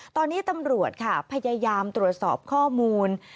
ตอนนี้ตำรวจค่ะพยายามตรวจสอบข้อมูล